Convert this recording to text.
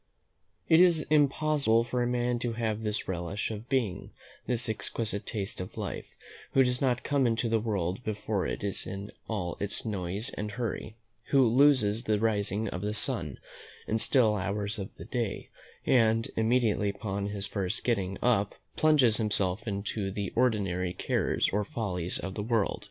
It is impossible for a man to have this relish of being, this exquisite taste of life, who does not come into the world before it is in all its noise and hurry; who loses the rising of the sun, the still hours of the day, and, immediately upon his first getting up plunges himself into the ordinary cares or follies of the world.